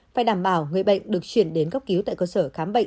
phải đảm bảo người bệnh được chuyển đến cấp cứu tại cơ sở khám bệnh